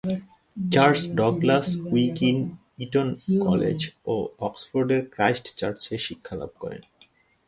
Charles Douglas Wiggin Eton College ও অক্সফোর্ডের Christ চার্চে শিক্ষালাভ করেন।